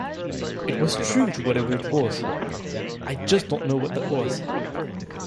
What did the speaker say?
It was true to whatever it was; I just don't know what that was!